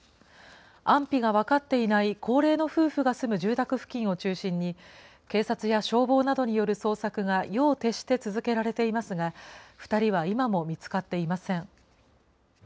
安否が分かっていない高齢の夫婦が住む住宅付近を中心に、警察や消防などによる捜索が夜を徹して続けられていますが、２人は今も見つかっていません。